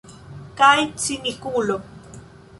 Kaj cinikulo.